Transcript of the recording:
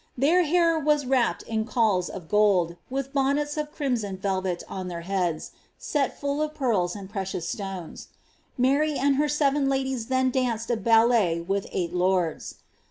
Their hair was wrapped in cawls of gold, with bonnets of crimson velvet on their heads, set full of pearls and precious stones. Mary and her seven ladies then dancAl a ballet with eight lords.